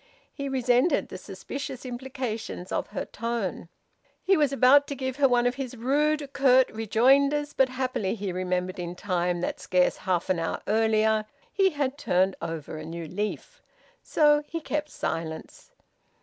He resented the suspicious implications of her tone. He was about to give her one of his rude, curt rejoinders, but happily he remembered in time that scarce half an hour earlier he had turned over a new leaf; so he kept silence.